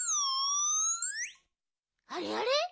あれあれ？